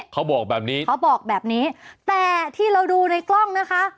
เขาบอกแบบนี้เขาบอกแบบนี้แต่ที่เราดูในกล้องนะคะ